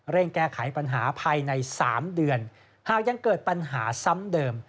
แก้ไขปัญหาภายใน๓เดือนหากยังเกิดปัญหาซ้ำเดิม